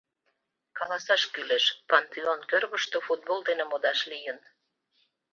Каласаш кӱлеш: пантеон кӧргыштӧ футбол дене модаш лийын.